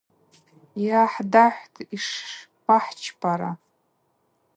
Йгӏахӏдахӏвтӏ, йшпахӏчпара.